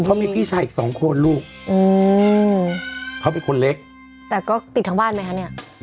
เขามีพี่ชายอีกสองคนลูกอืมเขาเป็นคนเล็กแต่ก็ติดทั้งบ้านไหมคะเนี้ย